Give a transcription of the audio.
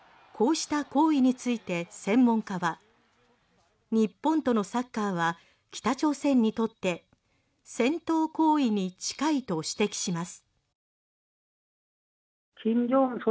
こうした行為について専門家は日本とのサッカーは北朝鮮にとって戦闘行為に近いと指摘します。